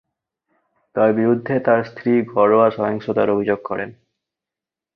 তার বিরুদ্ধে তার স্ত্রী ঘরোয়া সহিংসতার অভিযোগ করেন।